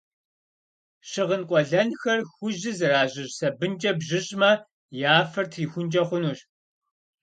Щыгъын къуэлэнхэр хужьыр зэражьыщӏ сабынкӏэ бжьыщӏмэ, я фэр трихункӏэ хъунущ.